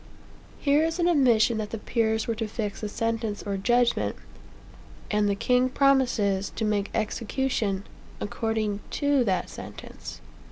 Here is an admission that the peers were to fix the sentence, or judgment, and the king promises to make execution "according to" that sentence.